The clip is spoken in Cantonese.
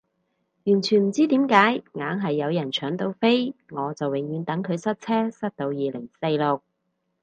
完全唔知點解硬係有人搶到飛，我就永遠等佢塞車塞到二零四六